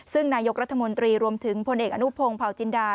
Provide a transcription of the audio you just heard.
ซึ่งนายกรัฐมนตรีรวมถึงพลเอกอนุพงศ์เผาจินดา